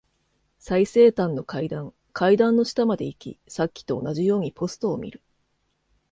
最西端の階段。階段の下まで行き、さっきと同じようにポストを見る。